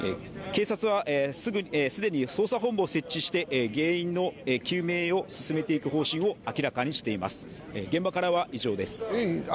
警察は既に捜査本部を設置して原因の究明を進めていく方針を明らかにしています。